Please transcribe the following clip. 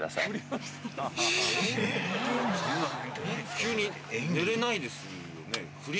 急に寝れないですよね？